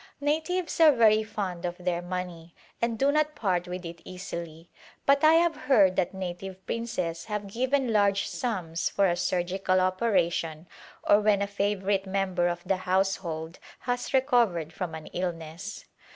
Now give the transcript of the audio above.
Natives are very fond of their money and do not part with it easily, but I have heard that native princes have given large sums for a surgical operation or when a favorite member of the household has recovered from an illness.